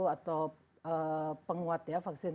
atau penguat ya vaksin